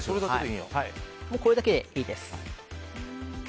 これだけでいいです。